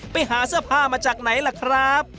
ไปหาเสื้อผ้ามาจากไหนล่ะครับ